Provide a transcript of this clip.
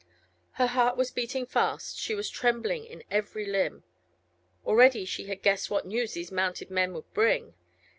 Her heart was beating fast, she was trembling in every limb; already she had guessed what news these mounted men would bring.